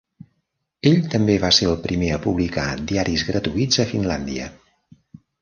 Ell també va ser el primer a publicar diaris gratuïts a Finlàndia.